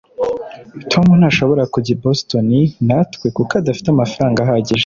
tom ntashobora kujya i boston natwe kuko adafite amafaranga ahagije